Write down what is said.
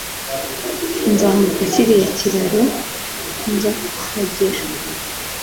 Nzambuka kiriya kiraro nza kuhagera.